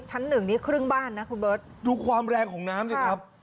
ชั้นหนึ่งนี่ครึ่งบ้านนะคุณเบิร์ตดูความแรงของน้ำสิครับ